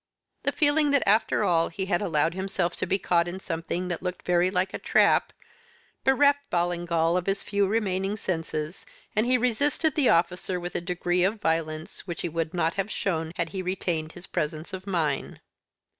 The feeling that, after all, he had allowed himself to be caught in something that looked very like a trap, bereft Ballingall of his few remaining senses, and he resisted the officer with a degree of violence which he would not have shown had he retained his presence of mind.